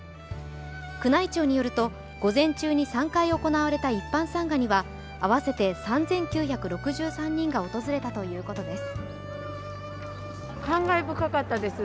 宮内庁によると午前中に３回行われた一般参賀には合わせて３９６３人が訪れたということです。